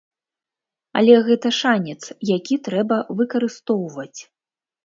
Але гэта шанец, які трэба выкарыстоўваць.